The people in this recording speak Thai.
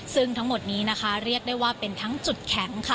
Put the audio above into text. ซึ่งทั้งหมดนี้นะคะเรียกได้ว่าเป็นทั้งจุดแข็งค่ะ